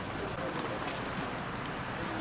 น้ำลาไป